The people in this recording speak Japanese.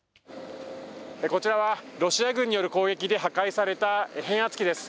こちらはロシア軍による攻撃で破壊された変圧器です。